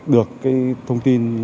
được thông tin